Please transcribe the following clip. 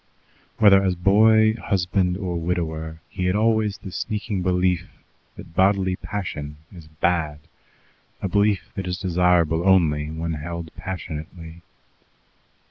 Whether as boy, husband, or widower, he had always the sneaking belief that bodily passion is bad, a belief that is desirable only when held passionately.